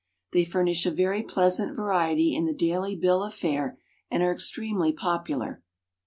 They furnish a very pleasant variety in the daily bill of fare, and are extremely popular.